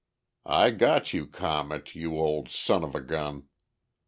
I got you, Comet, you old son of a gun!"